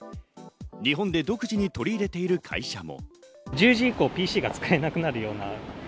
日本で独自に取り入れている会社も。